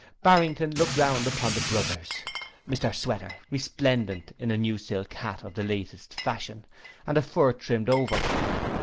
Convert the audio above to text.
Barrington looked round upon the 'Brothers': Mr Sweater, resplendent in a new silk hat of the latest fashion, and a fur trimmed overcoat.